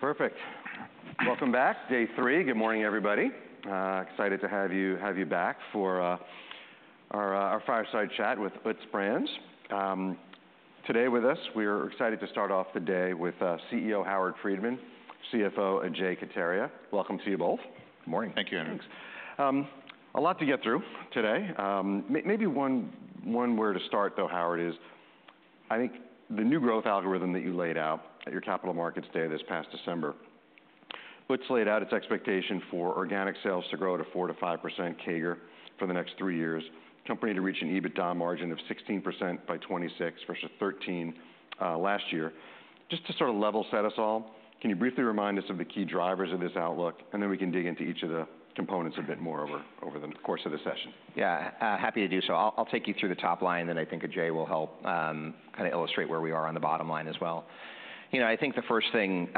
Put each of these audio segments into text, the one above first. Perfect. Welcome back, day three. Good morning, everybody. Excited to have you back for our fireside chat with Utz Brands. Today with us, we are excited to start off the day with CEO Howard Friedman, CFO Ajay Kataria. Welcome to you both. Good morning. Thank you, Andrew. Thanks. A lot to get through today. Maybe one where to start, though, Howard, is I think the new growth algorithm that you laid out at your capital markets day this past December. Utz laid out its expectation for organic sales to grow at a 4%-5% CAGR for the next three years, company to reach an EBITDA margin of 16% by 2026 versus 13% last year. Just to sort of level set us all, can you briefly remind us of the key drivers of this outlook? Then we can dig into each of the components a bit more over the course of the session. Yeah, happy to do so. I'll take you through the top line, then I think Ajay will help kind of illustrate where we are on the bottom line as well. You know, I think the first thing,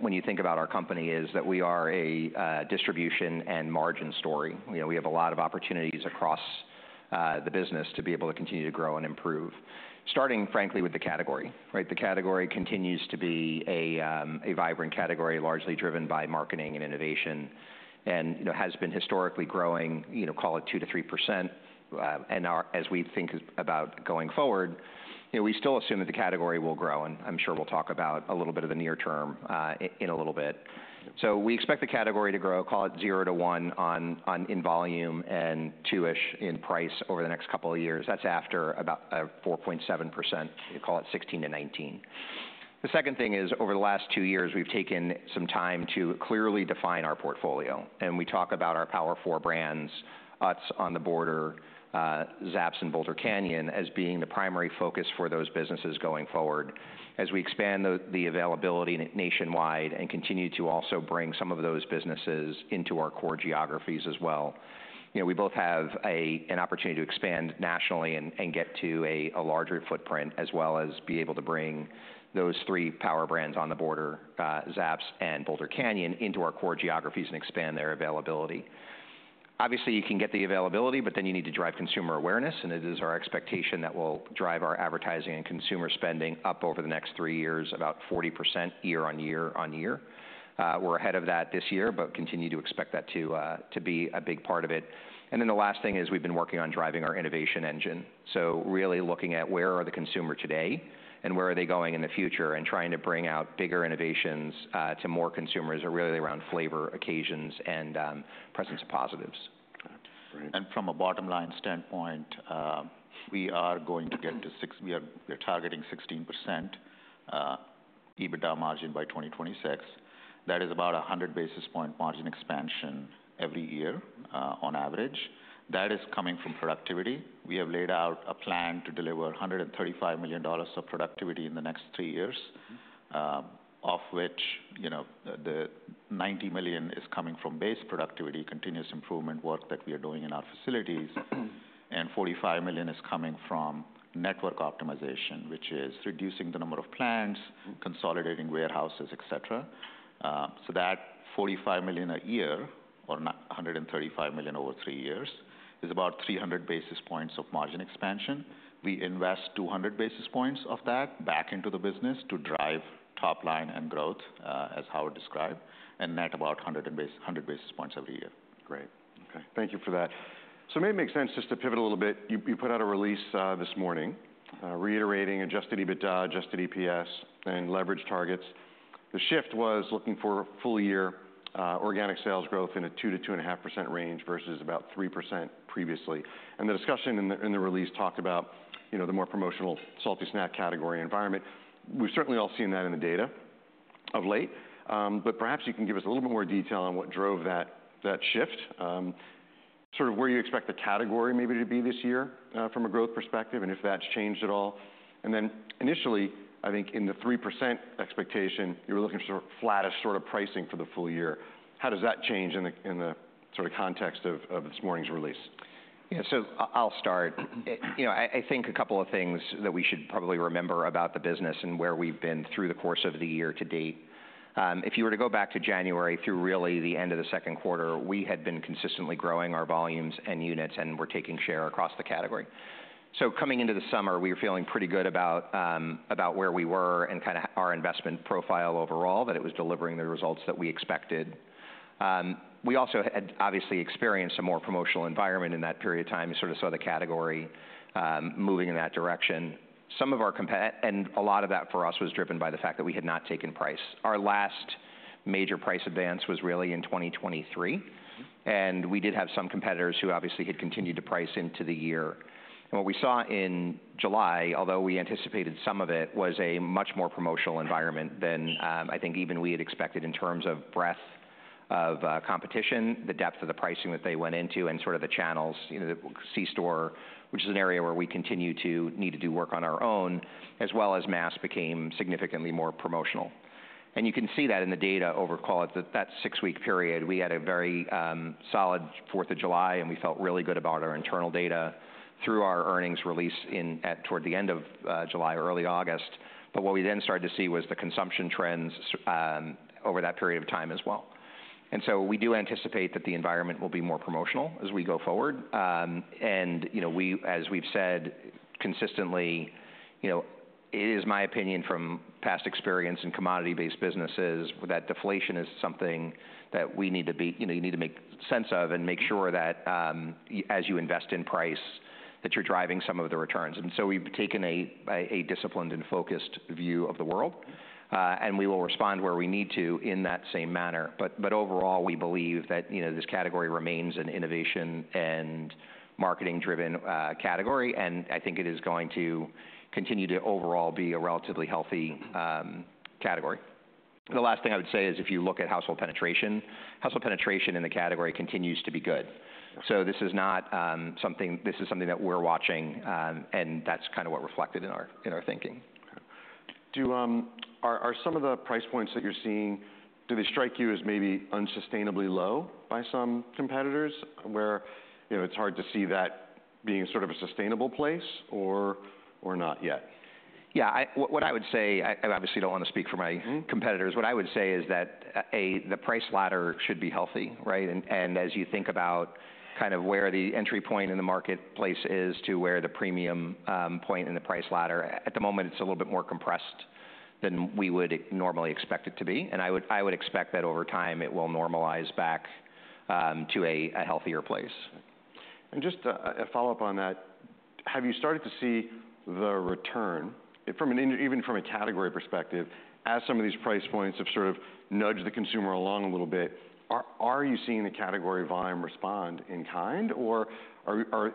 when you think about our company, is that we are a distribution and margin story. You know, we have a lot of opportunities across the business to be able to continue to grow and improve, starting, frankly, with the category, right? The category continues to be a vibrant category, largely driven by marketing and innovation, and, you know, has been historically growing, you know, call it 2%-3%. And now, as we think about going forward, you know, we still assume that the category will grow, and I'm sure we'll talk about a little bit of the near term, in a little bit. So we expect the category to grow, call it 0 to 1 on in volume and two-ish in price over the next couple of years. That's after about 4.7%, call it 2016-2019. The second thing is, over the last two years, we've taken some time to clearly define our portfolio, and we talk about our Power Four brands, Utz, On The Border, Zapp's and Boulder Canyon, as being the primary focus for those businesses going forward. As we expand the availability nationwide and continue to also bring some of those businesses into our core geographies as well, you know, we both have a, an opportunity to expand nationally and, and get to a, a larger footprint, as well as be able to bring those three power brands, On The Border, Zapp's and Boulder Canyon, into our core geographies and expand their availability. Obviously, you can get the availability, but then you need to drive consumer awareness, and it is our expectation that we'll drive our advertising and consumer spending up over the next three years, about 40% year-on-year. We're ahead of that this year, but continue to expect that to be a big part of it. Then the last thing is we've been working on driving our innovation engine, so really looking at where are the consumer today and where are they going in the future, and trying to bring out bigger innovations to more consumers, really around flavor, occasions, and presence of positives. Got it. Great. From a bottom-line standpoint, we're targeting 16% EBITDA margin by 2026. That is about 100 basis points of margin expansion every year, on average. That is coming from productivity. We have laid out a plan to deliver $135 million of productivity in the next three years, of which, you know, the $90 million is coming from base productivity, continuous improvement work that we are doing in our facilities, and $45 million is coming from network optimization, which is reducing the number of plants, consolidating warehouses, et cetera. So that $45 million a year, or $135 million over three years, is about 300 basis points of margin expansion. We invest 200 basis points of that back into the business to drive top line and growth, as Howard described, and net about 100 basis points every year. Great. Okay, thank you for that. So it may make sense just to pivot a little bit. You put out a release this morning, reiterating adjusted EBITDA, adjusted EPS and leverage targets. The shift was looking for full-year organic sales growth in a 2%-2.5% range versus about 3% previously. The discussion in the release talked about, you know, the more promotional salty snack category environment. We've certainly all seen that in the data of late, but perhaps you can give us a little bit more detail on what drove that shift. Sort of where you expect the category maybe to be this year, from a growth perspective, and if that's changed at all? And then initially, I think in the 3% expectation, you were looking for flattest sort of pricing for the full year. How does that change in the sort of context of this morning's release? Yeah, so I'll start. You know, I think a couple of things that we should probably remember about the business and where we've been through the course of the year to date. If you were to go back to January, through really the end of the second quarter, we had been consistently growing our volumes and units, and we're taking share across the category. So coming into the summer, we were feeling pretty good about about where we were and kind of our investment profile overall, that it was delivering the results that we expected. We also had obviously experienced a more promotional environment in that period of time. We sort of saw the category moving in that direction. Some of our and a lot of that for us was driven by the fact that we had not taken price. Our last major price advance was really in 2023, and we did have some competitors who obviously had continued to price into the year. And what we saw in July, although we anticipated some of it, was a much more promotional environment than I think even we had expected in terms of breadth of competition, the depth of the pricing that they went into, and sort of the channels, you know, the C-store, which is an area where we continue to need to do work on our own, as well as mass became significantly more promotional. And you can see that in the data over, call it, that six-week period. We had a very solid July 4th, and we felt really good about our internal data through our earnings release in at toward the end of July, early August. But what we then started to see was the consumption trends over that period of time as well. And so we do anticipate that the environment will be more promotional as we go forward. And, you know, as we've said consistently, you know, it is my opinion from past experience in commodity-based businesses, that deflation is something that we need to be, you know, you need to make sense of and make sure that, as you invest in price, that you're driving some of the returns. And so we've taken a disciplined and focused view of the world, and we will respond where we need to in that same manner. But overall, we believe that, you know, this category remains an innovation and marketing-driven category, and I think it is going to continue to overall be a relatively healthy category. And the last thing I would say is, if you look at household penetration in the category continues to be good. So this is not, something- this is something that we're watching, and that's kind of what reflected in our thinking. Are some of the price points that you're seeing, do they strike you as maybe unsustainably low by some competitors, where, you know, it's hard to see that being sort of a sustainable place or not yet? Yeah, what I would say, I obviously don't want to speak for my competitors. What I would say is that, the price ladder should be healthy, right? And as you think about kind of where the entry point in the marketplace is to where the premium point in the price ladder, at the moment, it's a little bit more compressed than we would normally expect it to be. And I would expect that over time, it will normalize back to a healthier place. Just a follow-up on that. Have you started to see the return even from a category perspective, as some of these price points have sort of nudged the consumer along a little bit? Are you seeing the category volume respond in kind, or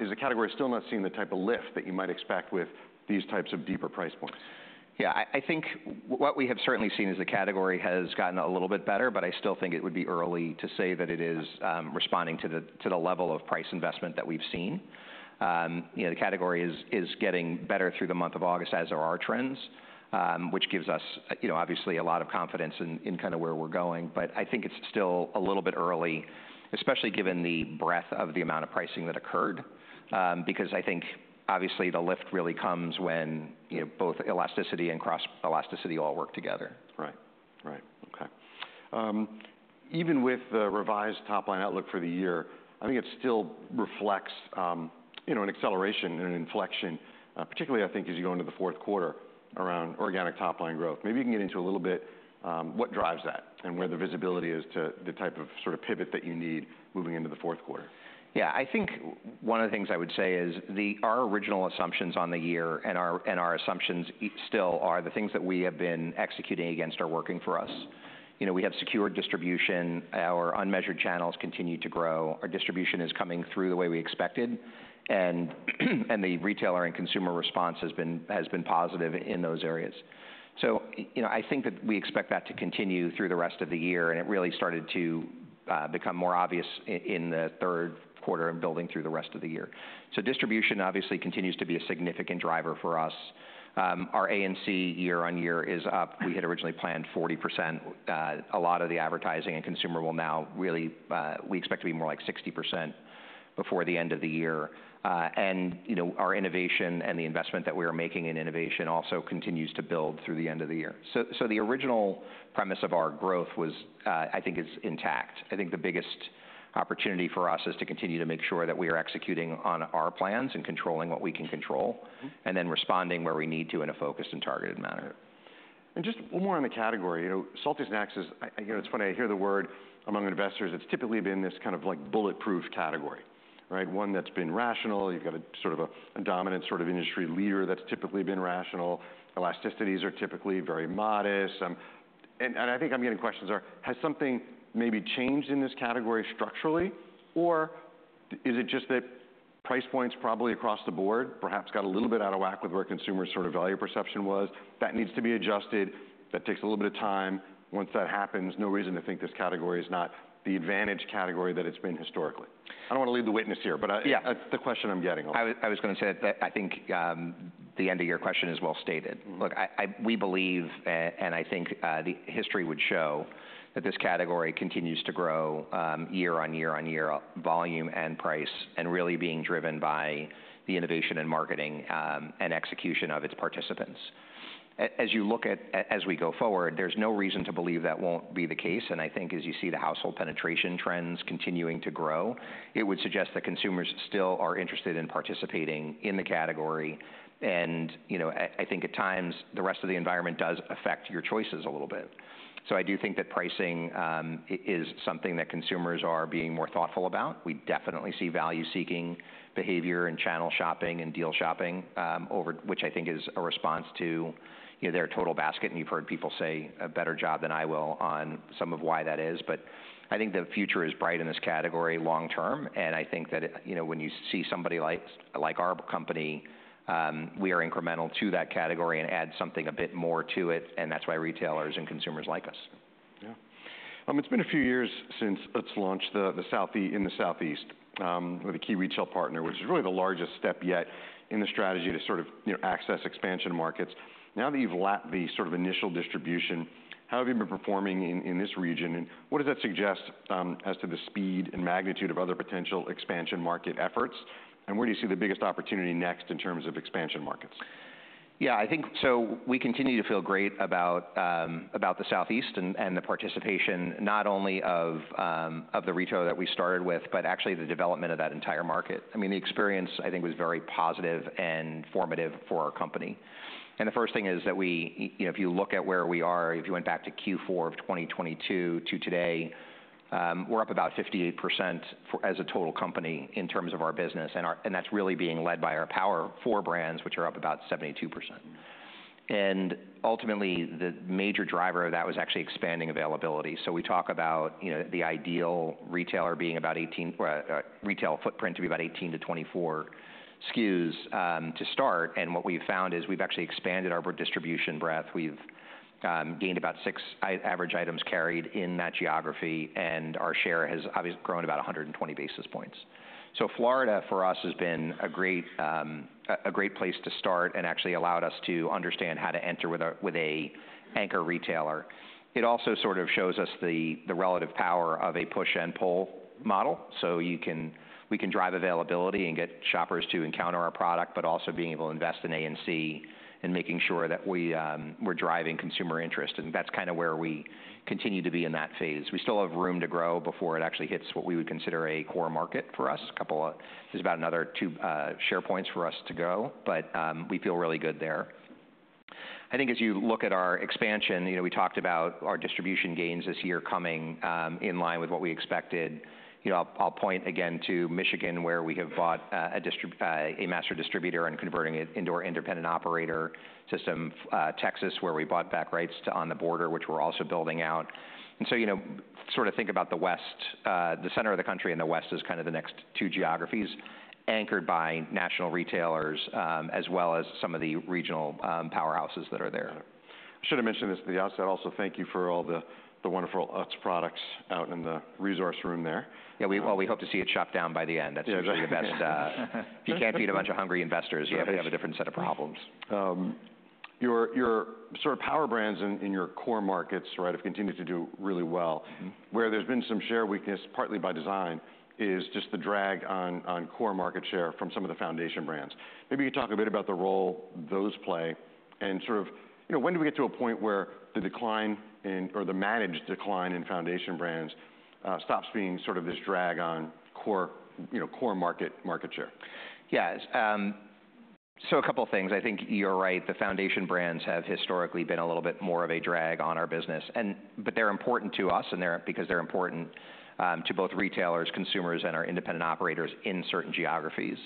is the category still not seeing the type of lift that you might expect with these types of deeper price points? Yeah, I think what we have certainly seen is the category has gotten a little bit better, but I still think it would be early to say that it is responding to the level of price investment that we've seen. You know, the category is getting better through the month of August, as are our trends, which gives us, you know, obviously, a lot of confidence in kind of where we're going. But I think it's still a little bit early, especially given the breadth of the amount of pricing that occurred, because I think, obviously, the lift really comes when, you know, both elasticity and cross-elasticity all work together. Right. Okay. Even with the revised top-line outlook for the year, I think it still reflects, you know, an acceleration and an inflection, particularly I think, as you go into the fourth quarter around organic top-line growth. Maybe you can get into a little bit, what drives that and where the visibility is to the type of sort of pivot that you need moving into the fourth quarter? Yeah. I think one of the things I would say is the our original assumptions on the year and our assumptions still are the things that we have been executing against are working for us. You know, we have secure distribution. Our unmeasured channels continue to grow. Our distribution is coming through the way we expected, and the retailer and consumer response has been positive in those areas. So, you know, I think that we expect that to continue through the rest of the year, and it really started to become more obvious in the third quarter and building through the rest of the year. So distribution obviously continues to be a significant driver for us. Our A&C year-on-year is up. We had originally planned 40%. A lot of the advertising and consumer will now really, we expect to be more like 60% before the end of the year, and you know, our innovation and the investment that we are making in innovation also continues to build through the end of the year, so the original premise of our growth was, I think, intact. I think the biggest opportunity for us is to continue to make sure that we are executing on our plans and controlling what we can control, and then responding where we need to in a focused and targeted manner. And just one more on the category. You know, salty snacks is, you know, it's funny, I hear the word among investors, it's typically been this kind of like bulletproof category, right? One that's been rational. You've got a sort of a dominant sort of industry leader that's typically been rational. Elasticities are typically very modest. And I think I'm getting questions are: Has something maybe changed in this category structurally, or is it just that price points probably across the board, perhaps got a little bit out of whack with where consumers' sort of value perception was? That needs to be adjusted. That takes a little bit of time. Once that happens, no reason to think this category is not the advantage category that it's been historically. I don't want to lead the witness here, but- Yeah. -that's the question I'm getting a lot. I was gonna say that I think the end of your question is well stated. Look, I we believe, and I think the history would show that this category continues to grow year-on-year, volume and price, and really being driven by the innovation in marketing and execution of its participants. As we go forward, there's no reason to believe that won't be the case, and I think as you see the household penetration trends continuing to grow, it would suggest that consumers still are interested in participating in the category. And, you know, I think at times the rest of the environment does affect your choices a little bit. So I do think that pricing is something that consumers are being more thoughtful about. We definitely see value-seeking behavior and channel shopping and deal shopping over which I think is a response to, you know, their total basket, and you've heard people say a better job than I will on some of why that is, but I think the future is bright in this category long term, and I think that it, you know, when you see somebody like our company, we are incremental to that category and add something a bit more to it, and that's why retailers and consumers like us. Yeah. It's been a few years since Utz launched in the Southeast with a key retail partner, which is really the largest step yet in the strategy to sort of, you know, access expansion markets. Now that you've lapped the sort of initial distribution, how have you been performing in this region, and what does that suggest as to the speed and magnitude of other potential expansion market efforts? And where do you see the biggest opportunity next in terms of expansion markets? Yeah, I think so we continue to feel great about, about the Southeast and, and the participation, not only of, of the retail that we started with, but actually the development of that entire market. I mean, the experience, I think, was very positive and formative for our company. And the first thing is that we, if you look at where we are, if you went back to Q4 of 2022 to today, we're up about 58% for as a total company in terms of our business, and our and that's really being led by our Power Four brands, which are up about 72%. And ultimately, the major driver of that was actually expanding availability. So we talk about, you know, the ideal retailer being about 18... retail footprint to be about 18-24 SKUs to start, and what we've found is we've actually expanded our distribution breadth. We've gained about six in average items carried in that geography, and our share has grown about 120 basis points. So Florida, for us, has been a great place to start and actually allowed us to understand how to enter with a anchor retailer. It also sort of shows us the relative power of a push-and-pull model, so we can drive availability and get shoppers to encounter our product, but also being able to invest in A&C and making sure that we, we're driving consumer interest. And that's kind of where we continue to be in that phase. We still have room to grow before it actually hits what we would consider a core market for us. A couple of- there's about another two share points for us to go, but we feel really good there. I think as you look at our expansion, you know, we talked about our distribution gains this year coming in line with what we expected. You know, I'll point again to Michigan, where we have bought a master distributor and converting it into our independent operator system. Texas, where we bought back rights to On The Border, which we're also building out. And so, you know, sort of think about the West- the center of the country and the West is kind of the next two geographies, anchored by national retailers, as well as some of the regional powerhouses that are there. I should have mentioned this at the outset. Also, thank you for all the wonderful Utz products out in the resource room there. Yeah, well, we hope to see it chopped down by the end. Yeah. That's usually the best. If you can't feed a bunch of hungry investors, you have a different set of problems. Your sort of power brands in your core markets, right, have continued to do really well. Where there's been some share weakness, partly by design, is just the drag on core market share from some of the foundation brands. Maybe you talk a bit about the role those play and sort of, you know, when do we get to a point where the decline in, or the managed decline in foundation brands, stops being sort of this drag on core, you know, core market share? Yes. So a couple of things. I think you're right, the foundation brands have historically been a little bit more of a drag on our business, and but they're important to us, and they're, because they're important, to both retailers, consumers, and our independent operators in certain geographies.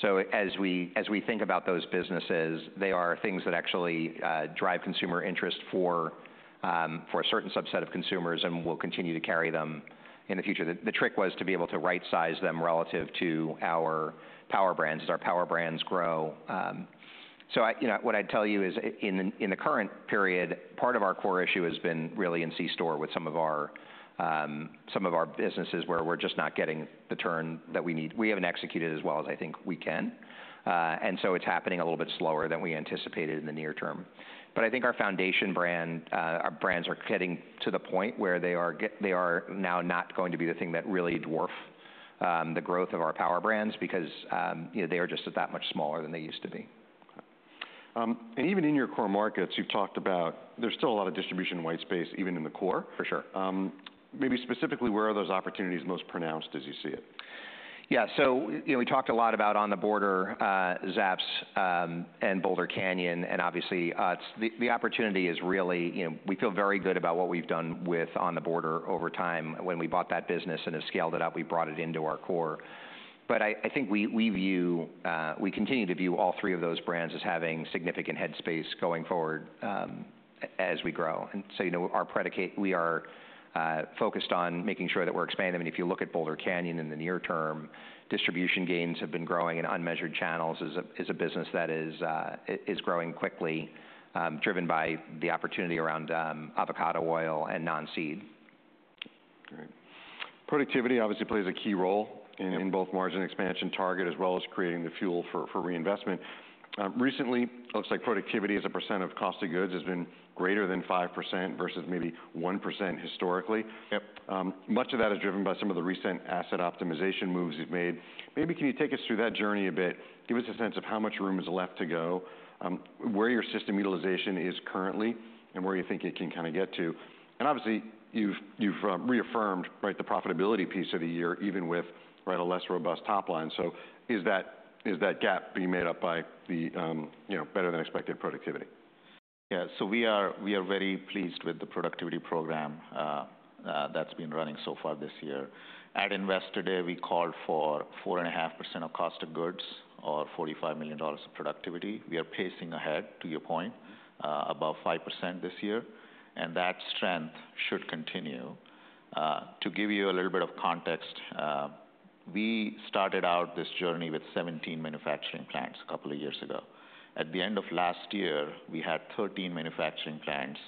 So as we think about those businesses, they are things that actually drive consumer interest for a certain subset of consumers, and we'll continue to carry them in the future. The trick was to be able to right-size them relative to our power brands as our power brands grow. So, you know, what I'd tell you is in the current period, part of our core issue has been really in C-store with some of our businesses, where we're just not getting the turn that we need. We haven't executed as well as I think we can, and so it's happening a little bit slower than we anticipated in the near term. But I think our foundation brand, our brands are getting to the point where they are now not going to be the thing that really dwarf the growth of our power brands because, you know, they are just that much smaller than they used to be. And even in your core markets, you've talked about there's still a lot of distribution in white space, even in the core. For sure. Maybe specifically, where are those opportunities most pronounced as you see it? Yeah, so you know, we talked a lot about On The Border, Zapp's, and Boulder Canyon, and obviously, Utz. The opportunity is really. You know, we feel very good about what we've done with On The Border over time. When we bought that business and have scaled it up, we brought it into our core. But I think we continue to view all three of those brands as having significant headspace going forward, as we grow. And so, you know, our portfolio, we are focused on making sure that we're expanding. I mean, if you look at Boulder Canyon in the near term, distribution gains have been growing, and unmeasured channels is a business that is growing quickly, driven by the opportunity around avocado oil and non-seed. Great. Productivity obviously plays a key role in both margin expansion target, as well as creating the fuel for reinvestment. Recently, it looks like productivity as a percent of cost of goods has been greater than 5% versus maybe 1% historically. Much of that is driven by some of the recent asset optimization moves you've made. Maybe can you take us through that journey a bit? Give us a sense of how much room is left to go, where your system utilization is currently, and where you think it can kind of get to. And obviously, you've reaffirmed, right, the profitability piece of the year, even with, right, a less robust top line. So is that gap being made up by the, you know, better-than-expected productivity? Yeah, so we are very pleased with the productivity program that's been running so far this year. At Investor Day, we called for 4.5% of cost of goods or $45 million of productivity. We are pacing ahead, to your point, above 5% this year, and that strength should continue. To give you a little bit of context, we started out this journey with 17 manufacturing plants a couple of years ago. At the end of last year, we had 13 manufacturing plants,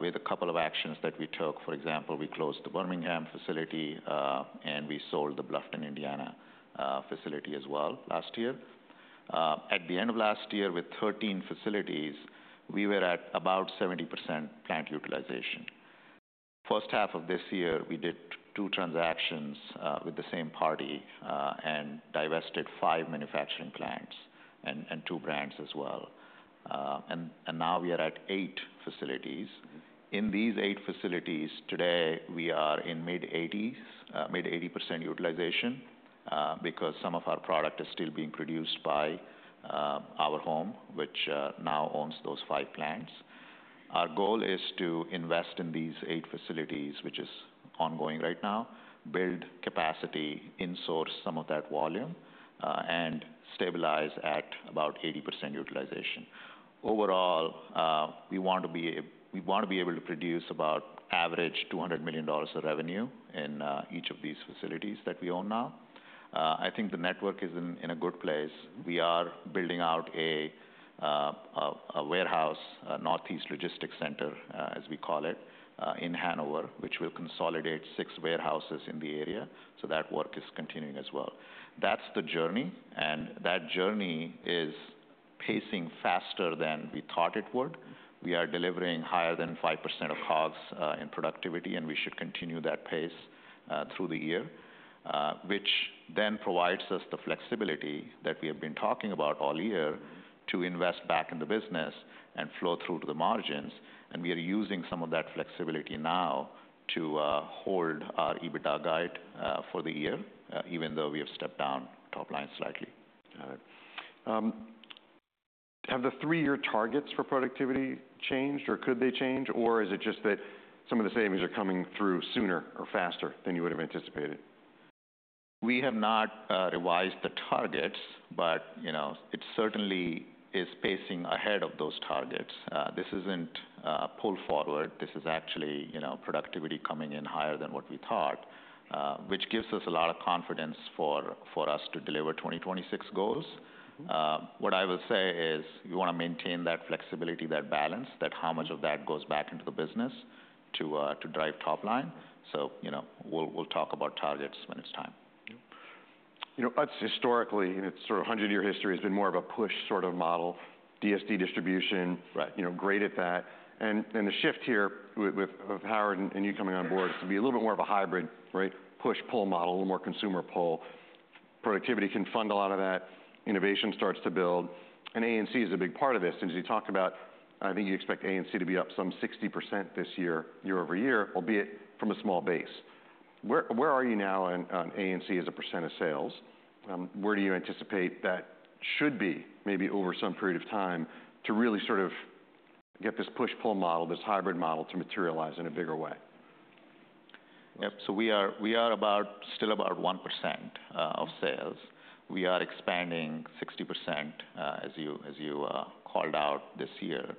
with a couple of actions that we took. For example, we closed the Birmingham facility, and we sold the Bluffton, Indiana, facility as well last year. At the end of last year, with 13 facilities, we were at about 70% plant utilization. First half of this year, we did two transactions with the same party and divested five manufacturing plants and two brands as well. And now we are at eight facilities. In these eight facilities, today, we are in mid-80s, mid-80% utilization, because some of our product is still being produced by our former, which now owns those five plants. Our goal is to invest in these eight facilities, which is ongoing right now, build capacity, in-source some of that volume, and stabilize at about 80% utilization. Overall, we want to be able to produce about average $200 million of revenue in each of these facilities that we own now. I think the network is in a good place. We are building out a warehouse, a Northeast logistics center, as we call it, in Hanover, which will consolidate six warehouses in the area, so that work is continuing as well. That's the journey, and that journey is pacing faster than we thought it would. We are delivering higher than 5% of COGS in productivity, and we should continue that pace through the year, which then provides us the flexibility that we have been talking about all year to invest back in the business and flow through to the margins, and we are using some of that flexibility now to hold our EBITDA guide for the year, even though we have stepped down top line slightly. All right. Have the three-year targets for productivity changed, or could they change, or is it just that some of the savings are coming through sooner or faster than you would have anticipated? We have not revised the targets, but, you know, it certainly is pacing ahead of those targets. This isn't pull forward. This is actually, you know, productivity coming in higher than what we thought, which gives us a lot of confidence for us to deliver 2026 goals. What I will say is, you want to maintain that flexibility, that balance, that how much of that goes back into the business to drive top line. So, you know, we'll talk about targets when it's time. You know, Utz historically, in its sort of hundred-year history, has been more of a push sort of model, DSD distribution. Right. You know, great at that. And the shift here with Howard and you coming on board is to be a little bit more of a hybrid, right? Push-pull model, a little more consumer pull. Productivity can fund a lot of that. Innovation starts to build, and A&C is a big part of this. And as you talk about, I think you expect A&C to be up some 60% this year, year-over-year, albeit from a small base. Where are you now on A&C as a percent of sales? Where do you anticipate that should be, maybe over some period of time, to really sort of get this push-pull model, this hybrid model, to materialize in a bigger way? Yep. So we are still about 1% of sales. We are expanding 60% as you called out this year.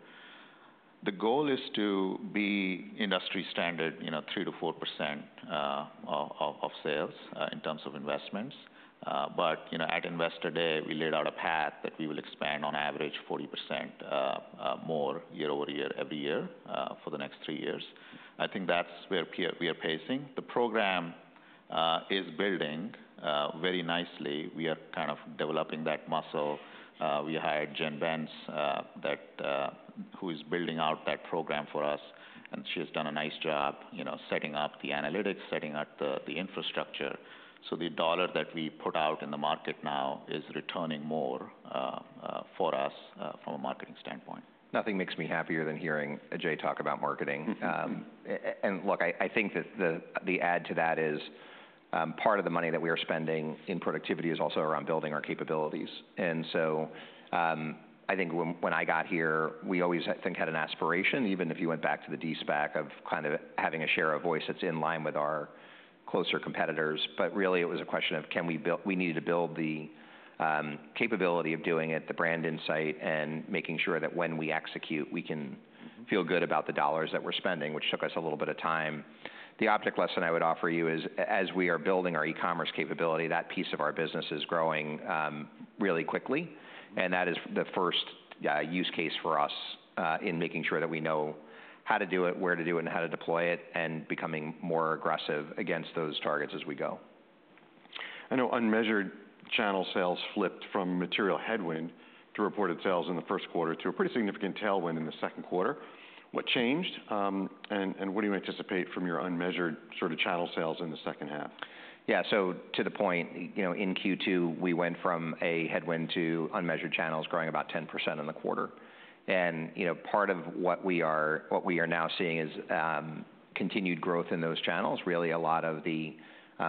The goal is to be industry standard, you know, 2%-4% of sales in terms of investments. But you know, at Investor Day, we laid out a path that we will expand on average 40% more year-over- year, every year, for the next three years. I think that's where we are pacing. The program is building very nicely. We are kind of developing that muscle. We hired Jen Benz who is building out that program for us, and she has done a nice job, you know, setting up the analytics, setting up the infrastructure. So the dollar that we put out in the market now is returning more, for us, from a marketing standpoint. Nothing makes me happier than hearing Ajay talk about marketing. And look, I think that the add to that is, part of the money that we are spending in productivity is also around building our capabilities. And so, I think when I got here, we always, I think, had an aspiration, even if you went back to the de-SPAC, of kind of having a share of voice that's in line with our closer competitors. But really, it was a question of: Can we build? We needed to build the capability of doing it, the brand insight, and making sure that when we execute, we can feel good about the dollars that we're spending, which took us a little bit of time. The optic lesson I would offer you is, as we are building our e-commerce capability, that piece of our business is growing really quickly, and that is the first use case for us in making sure that we know how to do it, where to do it, and how to deploy it, and becoming more aggressive against those targets as we go. I know unmeasured channels sales flipped from material headwind to reported sales in the first quarter to a pretty significant tailwind in the second quarter. What changed? And what do you anticipate from your unmeasured sort of channels sales in the second half? Yeah, so to the point, you know, in Q2, we went from a headwind to unmeasured channels growing about 10% in the quarter. And, you know, part of what we are now seeing is continued growth in those channels. Really, a lot of the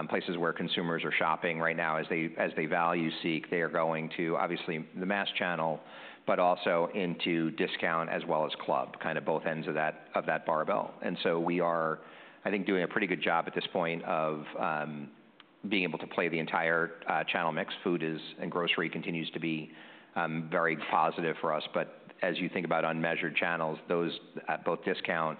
places where consumers are shopping right now, as they value seek, they are going to, obviously, the mass channel, but also into discount as well as club, kind of both ends of that barbell. And so we are, I think, doing a pretty good job at this point of being able to play the entire channel mix. Food and grocery continues to be very positive for us. But as you think about unmeasured channels, those at both discount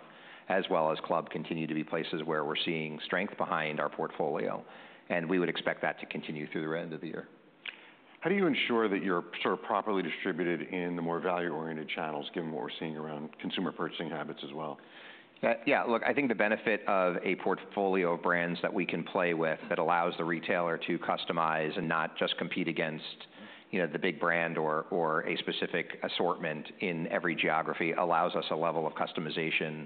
as well as club continue to be places where we're seeing strength behind our portfolio, and we would expect that to continue through the end of the year. How do you ensure that you're sort of properly distributed in the more value-oriented channels, given what we're seeing around consumer purchasing habits as well? Yeah, look, I think the benefit of a portfolio of brands that we can play with, that allows the retailer to customize and not just compete against, you know, the big brand or, or a specific assortment in every geography, allows us a level of customization,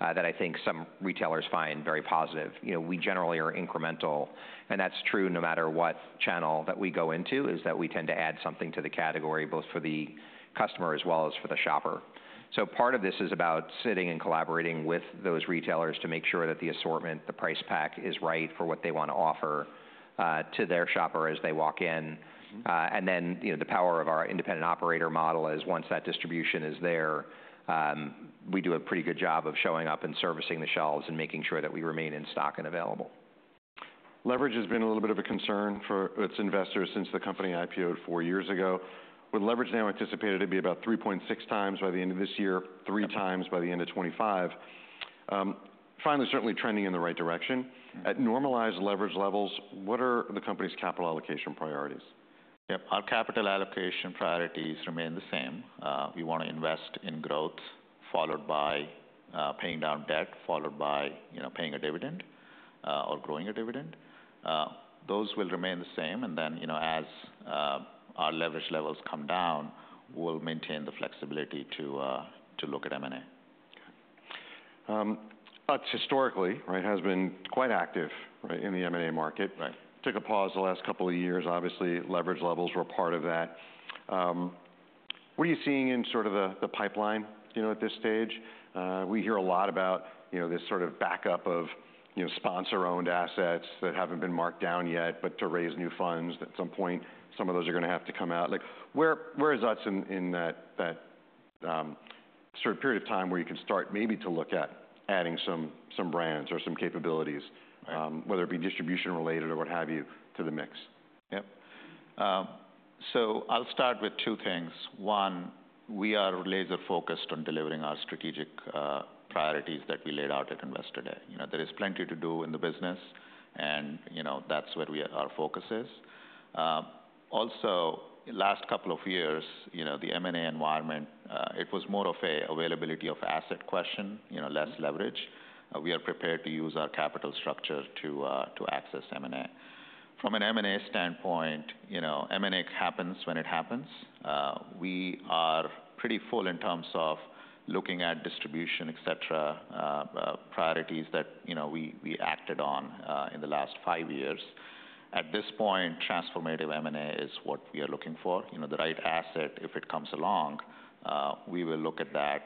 that I think some retailers find very positive. You know, we generally are incremental, and that's true no matter what channel that we go into, is that we tend to add something to the category, both for the customer as well as for the shopper. So part of this is about sitting and collaborating with those retailers to make sure that the assortment, the price pack, is right for what they want to offer, to their shopper as they walk in. And then, you know, the power of our independent operator model is, once that distribution is there, we do a pretty good job of showing up and servicing the shelves and making sure that we remain in stock and available. Leverage has been a little bit of a concern for its investors since the company IPO'd four years ago, with leverage now anticipated to be about three point six times by the end of this year.- three times by the end of 2025. Finally, certainly trending in the right direction. At normalized leverage levels, what are the company's capital allocation priorities? Yep, our capital allocation priorities remain the same. We want to invest in growth, followed by paying down debt, followed by, you know, paying a dividend or growing a dividend. Those will remain the same, and then, you know, as our leverage levels come down, we'll maintain the flexibility to look at M&A. Okay. Utz historically, right, has been quite active, right, in the M&A market. Took a pause the last couple of years. Obviously, leverage levels were part of that. What are you seeing in sort of the pipeline, you know, at this stage? We hear a lot about, you know, this sort of backup of, you know, sponsor-owned assets that haven't been marked down yet, but to raise new funds. At some point, some of those are gonna have to come out. Like, where is Utz in that sort of period of time where you can start maybe to look at adding some brands or some capabilities, whether it be distribution-related or what have you, to the mix? Yep, so I'll start with two things. One, we are laser focused on delivering our strategic priorities that we laid out at Investor Day. You know, there is plenty to do in the business, and, you know, that's where our focus is. Also, the last couple of years, you know, the M&A environment, it was more of an availability of assets question, you know, less leverage. We are prepared to use our capital structure to access M&A. From an M&A standpoint, you know, M&A happens when it happens. We are pretty full in terms of looking at distribution, et cetera, priorities that, you know, we acted on, in the last five years. At this point, transformative M&A is what we are looking for. You know, the right asset, if it comes along, we will look at that,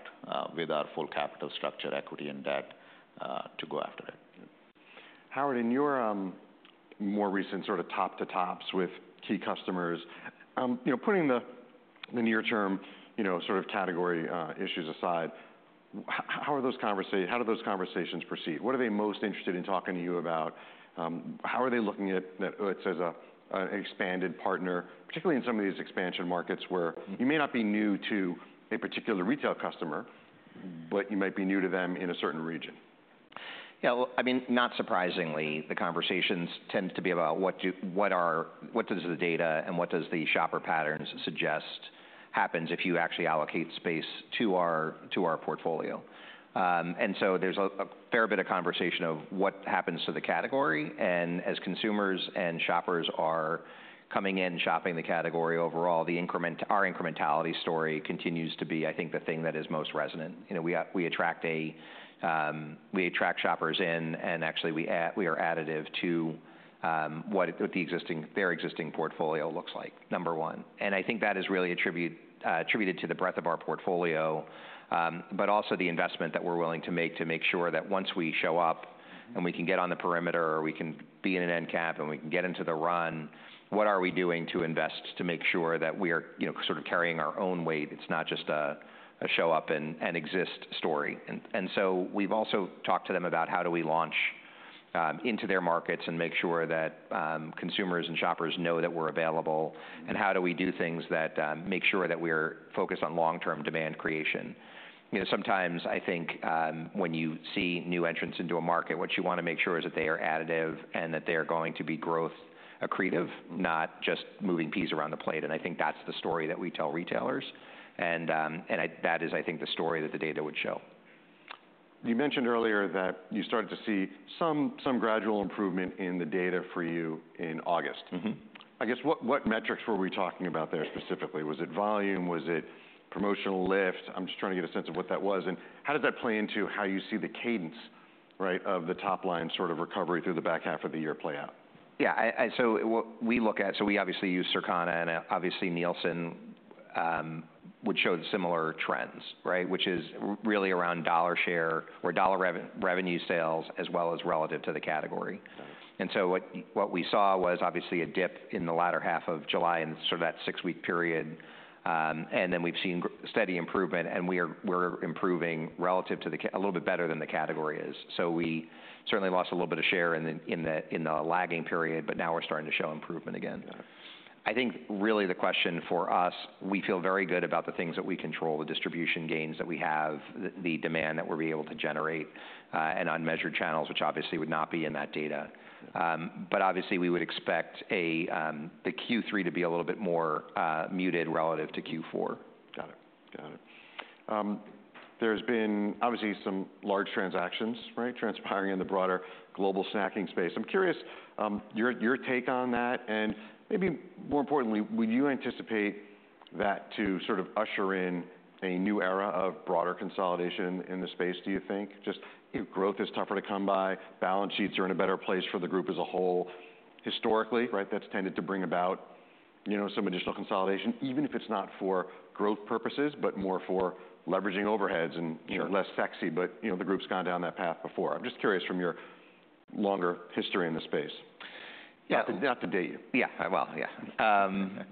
with our full capital structure, equity and debt, to go after it. Yep. Howard, in your more recent sort of top-to-tops with key customers, you know, putting the near-term, you know, sort of category issues aside, how do those conversations proceed? What are they most interested in talking to you about? How are they looking at Utz as an expanded partner, particularly in some of these expansion markets where you may not be new to a particular retail customer. but you might be new to them in a certain region? Yeah, well, I mean, not surprisingly, the conversations tend to be about what does the data and shopper patterns suggest happens if you actually allocate space to our portfolio, and so there's a fair bit of conversation of what happens to the category, and as consumers and shoppers are coming in and shopping the category, overall, our incrementality story continues to be, I think, the thing that is most resonant. You know, we attract shoppers in, and actually, we are additive to their existing portfolio looks like, number one. And I think that is really attributed to the breadth of our portfolio, but also the investment that we're willing to make, to make sure that once we show up and we can get on the perimeter, or we can be in an end cap, and we can get into the run, what are we doing to invest to make sure that we are, you know, sort of carrying our own weight? It's not just a show up and exist story. And so we've also talked to them about how do we launch into their markets and make sure that consumers and shoppers know that we're available, and how do we do things that make sure that we're focused on long-term demand creation? You know, sometimes I think, when you see new entrants into a market, what you want to make sure is that they are additive and that they are going to be growth accretive, not just moving peas around the plate, and I think that's the story that we tell retailers, and that is, I think, the story that the data would show. You mentioned earlier that you started to see some gradual improvement in the data for you in August. I guess, what, what metrics were we talking about there specifically? Was it volume? Was it promotional lift? I'm just trying to get a sense of what that was, and how does that play into how you see the cadence, right, of the top line sort of recovery through the back half of the year play out? Yeah. So what we look at, so we obviously use Circana, and obviously, Nielsen, which showed similar trends, right? Which is really around dollar share or dollar revenue sales, as well as relative to the category. Got it. What we saw was obviously a dip in the latter half of July and sort of that six-week period. Then we've seen steady improvement, and we're improving relative to the category a little bit better than the category is. We certainly lost a little bit of share in the lagging period, but now we're starting to show improvement again. I think really the question for us, we feel very good about the things that we control, the distribution gains that we have, the demand that we'll be able to generate, and unmeasured channels, which obviously would not be in that data. But obviously, we would expect the Q3 to be a little bit more muted relative to Q4. Got it. There's been obviously some large transactions, right, transpiring in the broader global snacking space. I'm curious, your take on that, and maybe more importantly, would you anticipate that to sort of usher in a new era of broader consolidation in the space, do you think? Just growth is tougher to come by. Balance sheets are in a better place for the group as a whole historically, right? That's tended to bring about, you know, some additional consolidation, even if it's not for growth purposes, but more for leveraging overheads and, you know, less sexy, but, you know, the group's gone down that path before. I'm just curious from your longer history in the space. Not to date you. Yeah, well, yeah.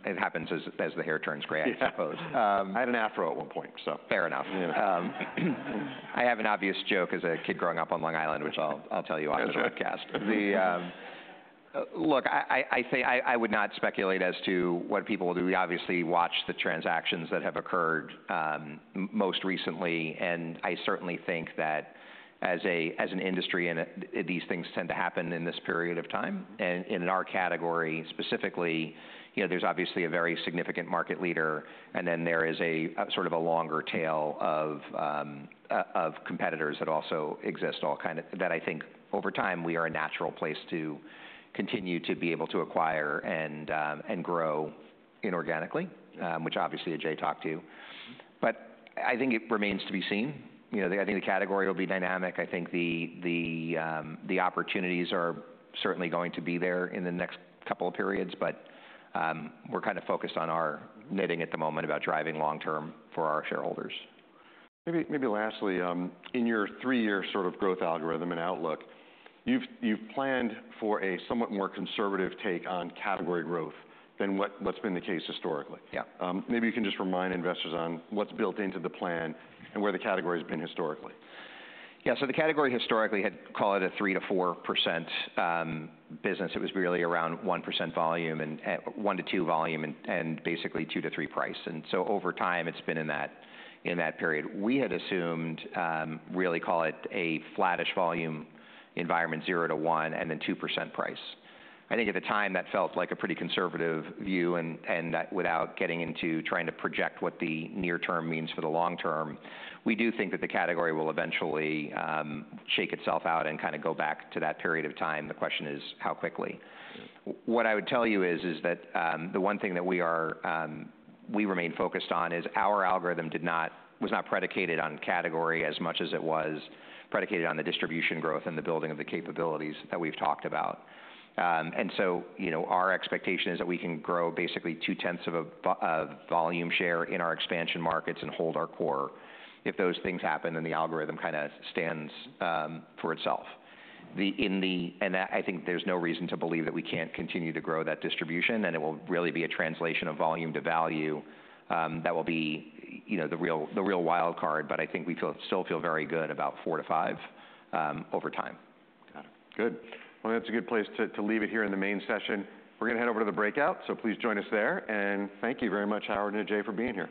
It happens as the hair turns gray, I suppose. I had an afro at one point, so. Fair enough. I have an obvious joke as a kid growing up on Long Island, which I'll tell you on the broadcast. Look, I would not speculate as to what people will do. We obviously watch the transactions that have occurred, most recently, and I certainly think that as an industry and these things tend to happen in this period of time, and in our category specifically, you know, there's obviously a very significant market leader, and then there is a sort of a longer tail of competitors that also exist, all kind of. That I think over time we are a natural place to continue to be able to acquire and grow inorganically, which obviously Ajay talked to. But I think it remains to be seen. You know, I think the category will be dynamic. I think the opportunities are certainly going to be there in the next couple of periods, but we're kind of focused on our knitting at the moment about driving long term for our shareholders. Maybe, maybe lastly, in your three-year sort of growth algorithm and outlook, you've planned for a somewhat more conservative take on category growth than what's been the case historically? Maybe you can just remind investors on what's built into the plan and where the category's been historically. Yeah, so the category historically had call it a 3%-4% business. It was really around 1% volume and 1-2 volume and basically 2-3 price. And so over time, it's been in that period. We had assumed really call it a flattish volume environment, 0-1, and then 2% price. I think at the time that felt like a pretty conservative view, and that without getting into trying to project what the near term means for the long term, we do think that the category will eventually shake itself out and kinda go back to that period of time. The question is, how quickly? What I would tell you is that the one thing that we remain focused on is our algorithm was not predicated on category as much as it was predicated on the distribution growth and the building of the capabilities that we've talked about. And so, you know, our expectation is that we can grow basically 2/10ths of a volume share in our expansion markets and hold our core. If those things happen, then the algorithm kinda stands for itself. And I think there's no reason to believe that we can't continue to grow that distribution, and it will really be a translation of volume to value that will be, you know, the real wild card, but I think we still feel very good about four to five over time. Got it. Good. That's a good place to leave it here in the main session. We're gonna head over to the breakout, so please join us there, and thank you very much, Howard and Ajay, for being here.